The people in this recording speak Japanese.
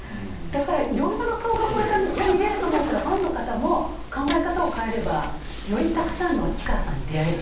だからいろいろな顔がこれから見れると思ったらファンの方も考え方を変えればよりたくさんの氷川さん